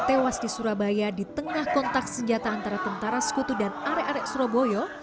tewas di surabaya di tengah kontak senjata antara tentara sekutu dan arek arek surabaya